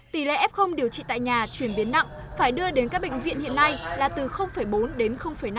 tỷ lệ f điều trị tại nhà chuyển biến nặng phải đưa đến các bệnh viện hiện nay là từ bốn đến năm